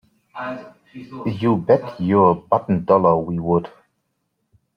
You bet your bottom dollar we would!